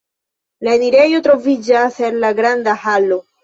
La enirejo troviĝas el la granda halo.